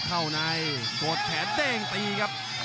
เข้าในกดแขนเด้งตีครับ